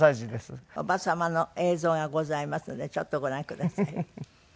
叔母様の映像がございますのでちょっとご覧ください。